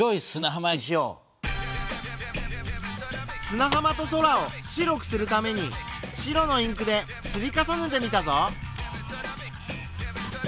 すなはまと空を白くするために白のインクで刷り重ねてみたぞ。